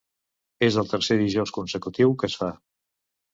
És el tercer dijous consecutiu que es fa.